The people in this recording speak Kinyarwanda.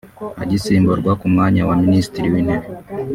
Agisimburwa ku mwanya wa Minisitiri w’Intebe